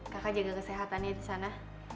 kakak jaga kesehatannya di sana